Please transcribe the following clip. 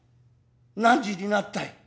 何時になったい。